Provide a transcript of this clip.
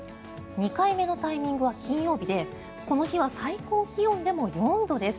２回目のタイミングは金曜日でこの日は最高気温でも４度です。